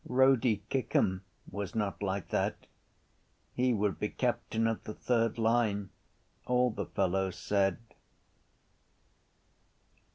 Rody Kickham was not like that: he would be captain of the third line all the fellows said.